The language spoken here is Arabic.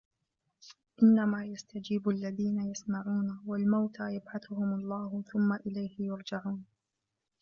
إِنَّمَا يَسْتَجِيبُ الَّذِينَ يَسْمَعُونَ وَالْمَوْتَى يَبْعَثُهُمُ اللَّهُ ثُمَّ إِلَيْهِ يُرْجَعُونَ